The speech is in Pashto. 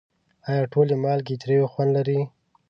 آیا ټولې مالګې تریو خوند لري؟